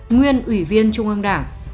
nguyên ủy viên trung ương đảng